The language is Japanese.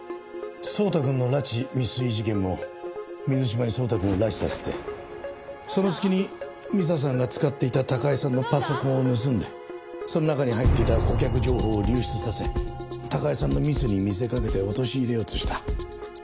蒼太くんの拉致未遂事件も水島に蒼太くんを拉致させてその隙に美佐さんが使っていた高井さんのパソコンを盗んでその中に入っていた顧客情報を流出させ高井さんのミスに見せかけて陥れようとした。